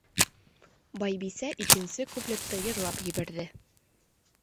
Байбисә икенсе куплетты йырлап ебәрҙе.